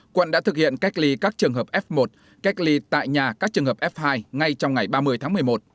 quận đã thực hiện cách ly các trường hợp f một cách ly tại nhà các trường hợp f hai ngay trong ngày ba mươi tháng một mươi một